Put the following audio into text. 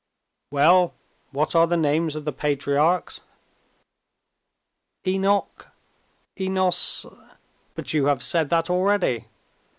"Well, what are the names of the patriarchs?" "Enoch, Enos—" "But you have said that already.